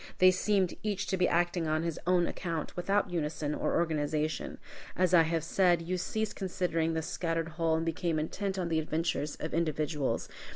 They seemed each to be acting on his own account, without unison or organization. As I have said, you ceased considering the scattered whole, and became intent on the adventures of individuals.